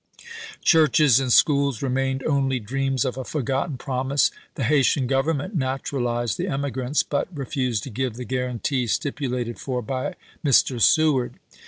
Churches and schools remained only dreams of a forgotten promise. The Haytian Government naturalized the emigrants, but re fused to give the guarantee stipulated for by Mr. Seward.